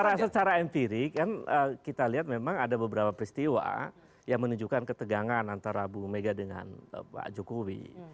karena secara empirik kan kita lihat memang ada beberapa peristiwa yang menunjukkan ketegangan antara ibu mega dengan pak jokowi